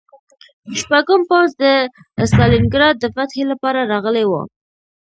شپږم پوځ د ستالینګراډ د فتحې لپاره راغلی و